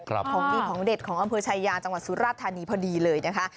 ของดีของเด็ดของอำเภอชายาจังหวัดสุราธานีพอดีเลยนะคะ